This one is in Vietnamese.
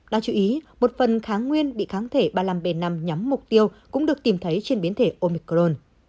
đáng chú ý một phần kháng nguyên bị kháng thể ba mươi năm b năm nhắm mục tiêu cũng được tìm thấy trên biến thể omicron